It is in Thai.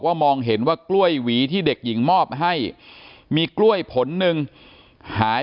มองเห็นว่ากล้วยหวีที่เด็กหญิงมอบให้มีกล้วยผลหนึ่งหาย